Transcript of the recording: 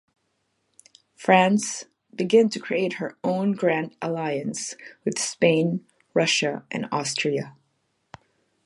France begin to create her own grand alliance with Spain, Russia, and Austria.